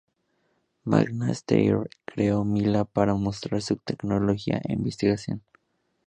Magna Steyr creó Mila para mostrar su tecnología e investigación.